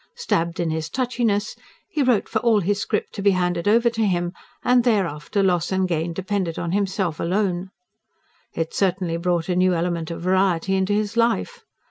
Stabbed in his touchiness, he wrote for all his scrip to be handed over to him; and thereafter loss and gain depended on himself alone. It certainly brought a new element of variety into his life.